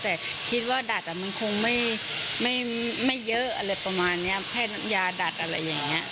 แต่คิดว่าดัดมันคงไม่เยอะแค่ยาดัดอะไรอย่างนี้